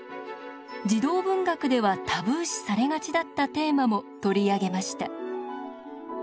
児童文学ではタブー視されがちだったテーマも取り上げました。